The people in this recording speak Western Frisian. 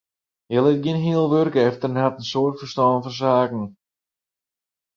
Hja lit gjin heal wurk efter en hat in soad ferstân fan saken.